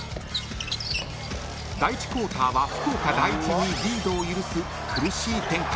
［第１クォーターは福岡第一にリードを許す苦しい展開］